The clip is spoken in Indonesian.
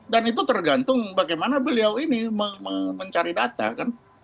dan itu tergantung bagaimana beliau ini mencari data kan